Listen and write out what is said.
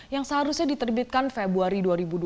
yang seharusnya diterbitkan februari dua ribu dua puluh